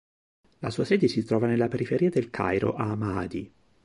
La sua sede si trova nella periferia del Cairo, a Ma'adi.